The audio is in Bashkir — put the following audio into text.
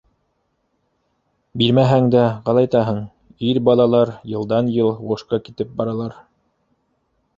Бирмәһәң дә ҡалайтаһың, ир балалар йылдан-йыл һуғышҡа китеп баралар.